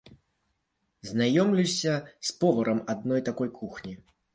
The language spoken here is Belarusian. Знаёмлюся з поварам адной такой кухні.